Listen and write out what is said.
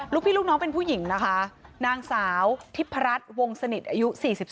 ลูกพี่ลูกน้องเป็นผู้หญิงนะคะนางสาวทิพรัชวงสนิทอายุ๔๒